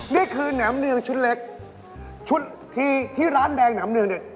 นี่คือแหนมเนืองชุดเล็กชุดที่ที่ร้านแดงแหมเนืองเนี่ย